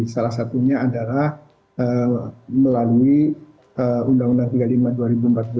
salah satunya adalah melalui undang undang tiga puluh lima dua ribu empat belas